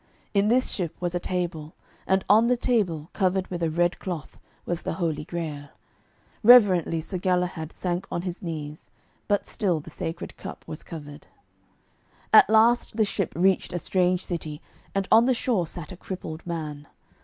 In this ship was a table, and on the table, covered with a red cloth, was the Holy Grail. Reverently Sir Galahad sank on his knees. But still the Sacred Cup was covered. At last the ship reached a strange city, and on the shore sat a crippled man.